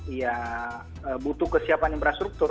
ya butuh kesiapan infrastruktur